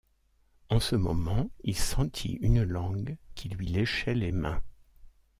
En ce moment il sentit une langue qui lui léchait les mains.